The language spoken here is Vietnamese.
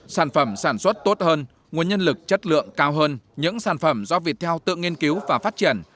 sản phẩm sản xuất tốt hơn nguồn nhân lực chất lượng cao hơn những sản phẩm do viettel tự nghiên cứu và phát triển